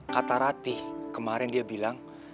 kata ratih kemarin dia bilang